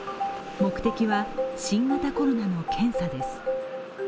目的は新型コロナの検査です。